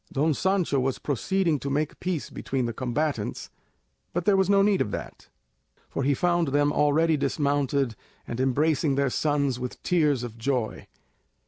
Don Sancho was proceeding to make peace between the combatants, but there was no need of that, for he found them already dismounted and embracing their sons with tears of joy.